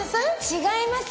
違います。